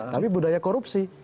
tapi budaya korupsi